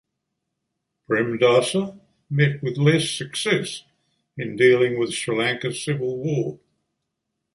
Premadasa met with less success in dealing with Sri Lanka's civil war.